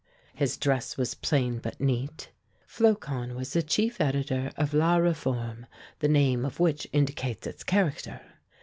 His dress was plain but neat. Flocon was the chief editor of "La Réforme," the name of which indicates its character.